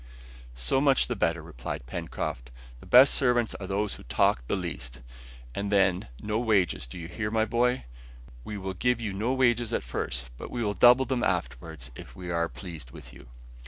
"So much the better," replied Pencroft, "the best servants are those who talk the least. And then, no wages, do you hear, my boy? We will give you no wages at first, but we will double them afterwards if we are pleased with you."